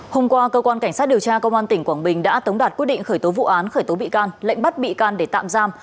hôm qua cơ quan cảnh sát điều tra công an tỉnh quảng bình đã tống đạt quyết định khởi tố vụ án khởi tố bị can lệnh bắt bị can để tạm giam